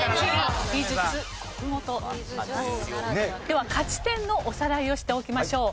では勝ち点のおさらいをしておきましょう。